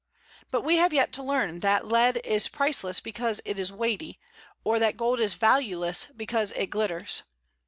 But we have yet to learn that lead is priceless because it is weighty, or that gold is valueless because it glitters.